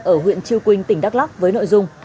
ở huyện chiêu quynh tỉnh đắk lắk với nội dung